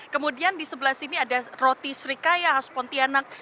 kemudian di sebelah sini ada roti srikaya khas pontianak